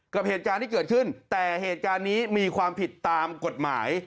กับเหตุการณ์ที่เกิดขึ้นแต่เหตุการณ์นี้มีความผิดตามกฎหมาย